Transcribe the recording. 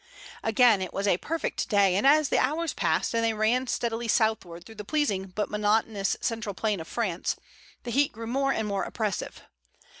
Again it was a perfect day, and as the hours passed and they ran steadily southward through the pleasing but monotonous central plain of France, the heat grew more and more oppressive.